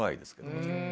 もちろん。